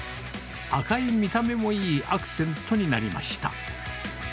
赤い見た目もいいアクセントになりました。